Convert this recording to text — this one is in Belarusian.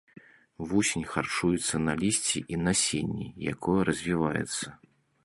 Вусень харчуецца на лісці і насенні, якое развіваецца.